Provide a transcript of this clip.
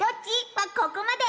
はここまで。